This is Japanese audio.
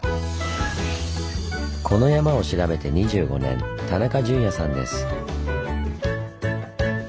この山を調べて２５年田中淳也さんです。